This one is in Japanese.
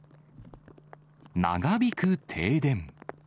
長引く停電。